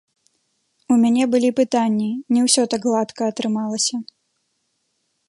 У мяне былі пытанні, не ўсё так гладка атрымалася.